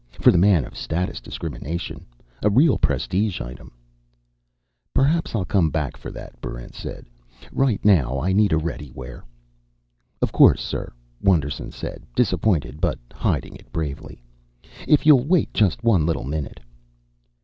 For the man of status discrimination. A real prestige item." "Perhaps I'll come back for that," Barrent said. "Right now, I need a ready wear." "Of course, sir," Wonderson said, disappointed but hiding it bravely. "If you'll wait just one little minute...."